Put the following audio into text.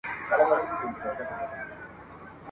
په تعویذ مو قسمتونه چپه کیږي ..